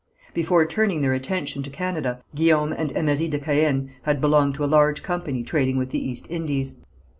Before turning their attention to Canada Guillaume and Emery de Caën had belonged to a large company trading with the East Indies.